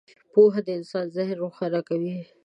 • پوهه د انسان ذهن روښانه کوي.